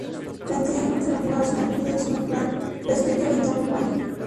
Plantea una alternativa racional dentro de su natural respeto al entorno urbano.